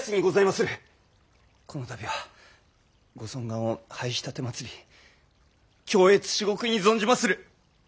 このたびはご尊顔を拝し奉り恐悦至極に存じまする。